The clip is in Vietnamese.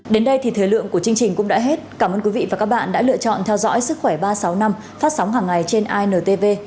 đến đây thì thời lượng của chương trình cũng đã hết cảm ơn quý vị và các bạn đã lựa chọn theo dõi sức khỏe ba trăm sáu mươi năm phát sóng hàng ngày trên intv